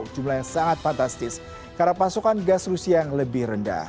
jumlah yang sangat fantastis karena pasokan gas rusia yang lebih rendah